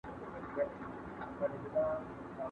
¬ اول ئې زده که، بيا ئې کوزده که.